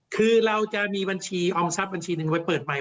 คือเราจะมีบัญชีออมทรัพย์บัญชีหนึ่งไว้เปิดไป